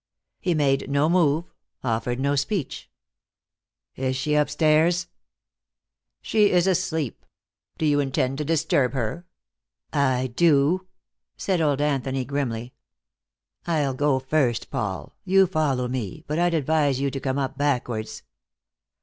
He made no move, offered no speech. "Is she upstairs?" "She is asleep. Do you intend to disturb her?" "I do," said old Anthony grimly. "I'll go first, Paul. You follow me, but I'd advise you to come up backwards."